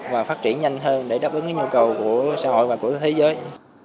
và phát triển nhanh hơn để đáp ứng cái nhu cầu của xã hội và của thế giới